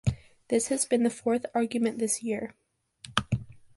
This has been the fourth augment in a year.